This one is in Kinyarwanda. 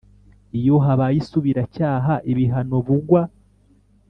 Iyo habaye isubiracyaha ibihano b ugwa